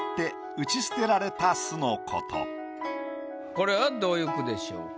これはどういう句でしょうか？